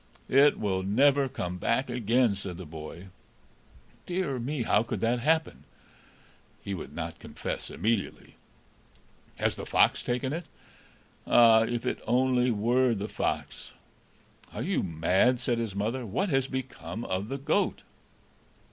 "It will never come back again," said the boy. "Dear me! How could that happen?" He would not confess immediately. "Has the fox taken it?" "Ah, if it only were the fox!" "Are you mad?" said his mother. "What has become of the goat?"